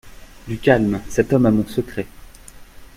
Du calme, cet homme a mon secret.